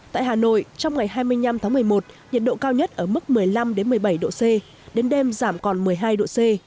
tại hà nội trong ngày hai mươi năm tháng một mươi một nhiệt độ cao nhất ở mức một mươi năm một mươi bảy độ c đến đêm giảm còn một mươi hai độ c